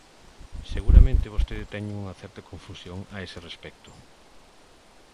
Seguramente vostedes teñen unha certa confusión a ese respecto.